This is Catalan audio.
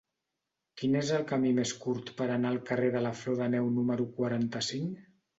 Quin és el camí més curt per anar al carrer de la Flor de Neu número quaranta-cinc?